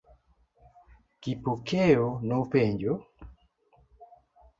Kipokeo nopenjo.